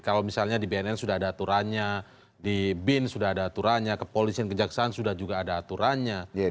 kalau misalnya di bnn sudah ada aturannya di bin sudah ada aturannya kepolisian kejaksaan sudah juga ada aturannya